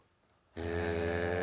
へえ。